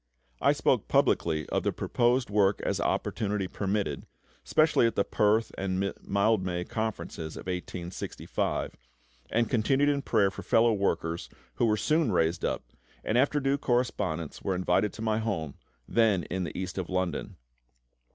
I spoke publicly of the proposed work as opportunity permitted, specially at the Perth and Mildmay Conferences of 1865, and continued in prayer for fellow workers, who were soon raised up, and after due correspondence were invited to my home, then in the East of London.